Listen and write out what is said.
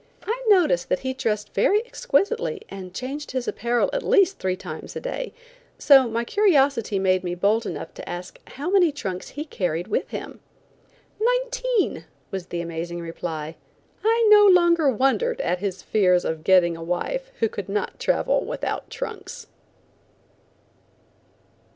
I noticed that he dressed very exquisitely and changed his apparel at least three times a day, so my curiosity made me bold enough to ask how many trunks he carried with him. "Nineteen," was the amazing reply. I no longer wondered at his fears of getting a wife who could not travel without trunks.